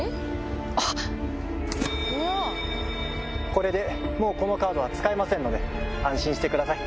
これでもうこのカードは使えませんので安心してください。